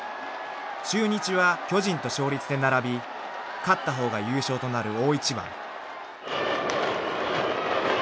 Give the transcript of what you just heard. ［中日は巨人と勝率で並び勝った方が優勝となる大一番］